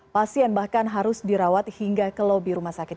pasien bahkan harus dirawat hingga ke lobi rumah sakit